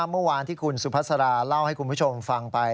เมื่อวานที่คุณสุภาษาเล่าให้คุณผู้ชมฟังไป